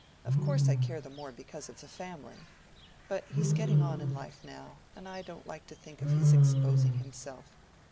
"Of course I care the more because of the family. But he's getting on in life now, and I don't like to think of his exposing himself.